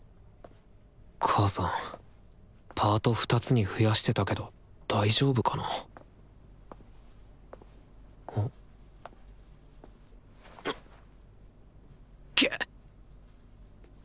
母さんパート２つに増やしてたけど大丈夫かなげっ！